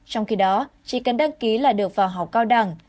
trong khi đó chỉ cần đăng ký là được vào học cao đẳng